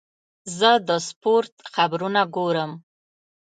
زه د سپورت خبرونه ګورم.